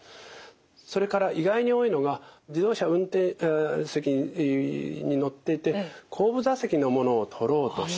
それから意外に多いのが自動車運転席に乗ってて後部座席の物を取ろうとして。